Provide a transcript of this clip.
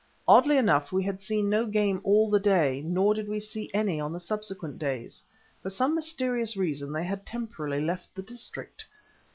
Oddly enough we had seen no game all the day, nor did we see any on the subsequent days. For some mysterious reason they had temporarily left the district.